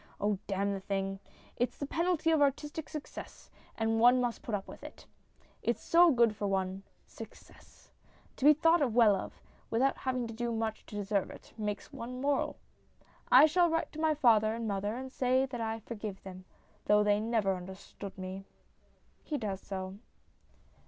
Oh, damn the thing ! It's the penalty of artistic success, and one must put up with it. It's so good for one success. To be thought well of, without having to do much to deserve it, makes one moral. I shall write to my father and mother and say that I forgive them, though they never understood me. [He does so.